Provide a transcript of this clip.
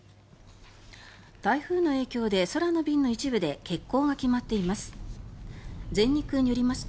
台風の影響で空の便の一部で欠航が決まっています。